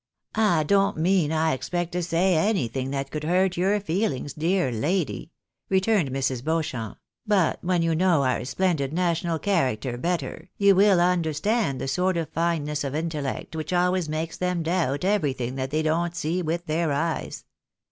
"" I don't mean, I expect, to say anything that could hurt your feehngs, dear lady," returned Mrs. Beauchamp, " but when you know our splendid national character better, you will understand the sort of fineness of intellect which always makes them doubt everything that they don't see with their eyes.